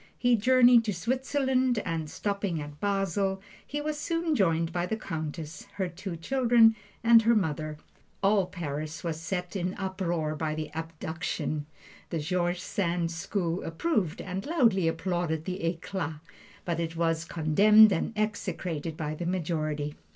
He journeyed to Switzerland, and stopping at Basle he was soon joined by the Countess, her two children, and her mother. All Paris was set in an uproar by the "abduction." The George Sand school approved and loudly applauded the "eclat"; but it was condemned and execrated by the majority.